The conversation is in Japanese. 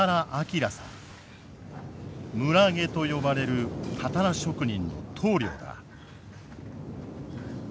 村下と呼ばれるたたら職人の頭領だ。